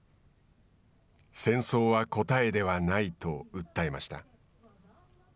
戦争は答えではないと訴えました。